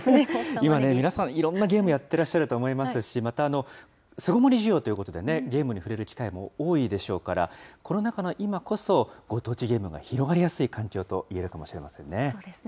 今ね、皆さん、いろんなゲームやってらっしゃると思いますし、また、巣ごもり需要ということでゲームに触れる機会も多いでしょうから、コロナ禍の今こそ、ご当地ゲームが広がりやすい環境といえるかもしれませんね。